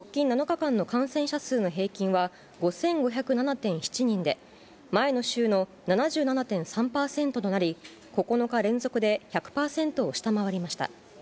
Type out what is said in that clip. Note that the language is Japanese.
直近７日間の感染者数の平均は５５０７．７人で、前の週の７７．３％となり、９日連続で１００％を下回りました。